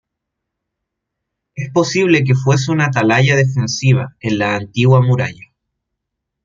Es posible que fuese una atalaya defensiva en la antigua muralla.